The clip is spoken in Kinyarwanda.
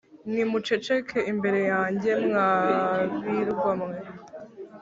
Nimuceceke imbere yanjye, mwa birwa mwe,